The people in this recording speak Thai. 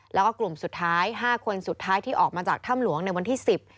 แล้วก็กลุ่มสุดท้ายห้าคนสุดท้ายที่ออกมาจากถ้ำหลวงในวันที่สิบ